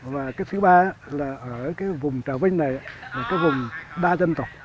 và thứ ba là ở vùng trà vinh này là vùng đa dân tộc